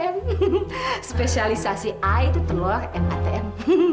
eh spesialisasi ay itu telur atm